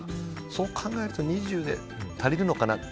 そう考えると２０で足りるのかなと。